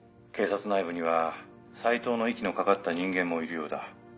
警察内部には斎藤の息のかかった人間もいるようだ。